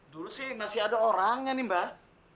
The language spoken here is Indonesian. dulu sih masih ada orangnya nih mbak